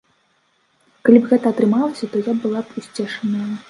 Калі б гэта атрымалася, то я была б усцешаная.